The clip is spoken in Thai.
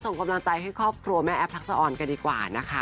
ส่งกำลังใจให้ครอบครัวแม่แอฟทักษะออนกันดีกว่านะคะ